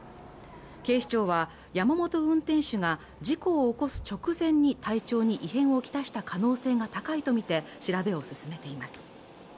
警視庁は山本運転手が事故を起こす直前に体調に異変を来した可能性が高いとみて調べを進めています